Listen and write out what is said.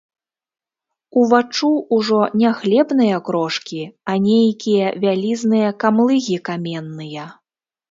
Уваччу ўжо не хлебныя крошкі, а нейкія вялізныя камлыгі каменныя.